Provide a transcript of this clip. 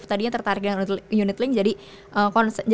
tadinya tertarik dengan unit link jadi